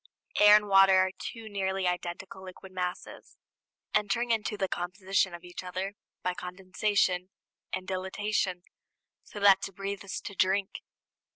Air and water are two nearly identical liquid masses, entering into the composition of each other by condensation and dilatation, so that to breathe is to drink.